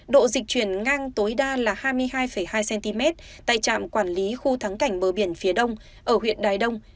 độ dịch chuyển ngang tối đa là hai mươi hai hai cm tại trạm quản lý khu thắng cảnh bờ biển phía đông ở huyện đài đông